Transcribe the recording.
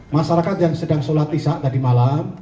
masyarakat yang sedang sholat isya tadi malam